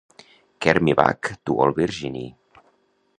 "Carry me back to old Virginny."